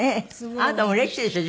あなたもうれしいでしょう？